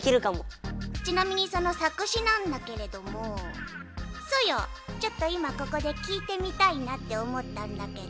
ちなみにその作詞なんだけれどもソヨちょっと今ここで聞いてみたいなって思ったんだけど。